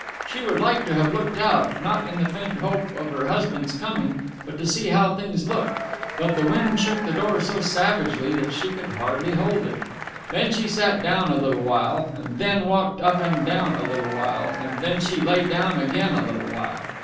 She would like to have looked out, not in the faint hope of her husband's coming, but to see how things looked; but the wind shook the door so savagely that she could hardly hold it. Then she sat down a little while, and then walked up and down a little while, and then she lay down again a little while.